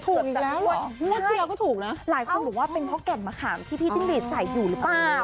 ถูกอีกแล้วเหรอใช่หลายคนถูกว่าเป็นเพราะแกะมะขามที่พี่จิ้งหรีดใส่อยู่หรือเปล่า